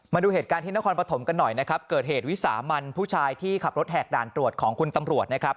มาดูเหตุการณ์ที่นครปฐมกันหน่อยนะครับเกิดเหตุวิสามันผู้ชายที่ขับรถแหกด่านตรวจของคุณตำรวจนะครับ